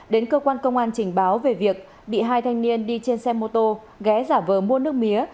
đến cơ quan công an trình báo về việc bị hai thanh niên đi trên xe mô tô ghé giả vờ mua nước mía